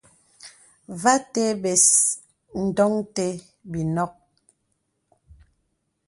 Və atə̀ bəs ndɔŋ té bi nɔk.